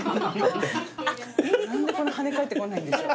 何でこんなはね返ってこないんでしょう。